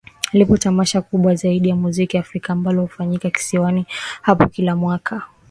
Lipo Tamasha kubwa zaidi la muziki Africa ambalo hufanyika kisiwani hapo kila mwaka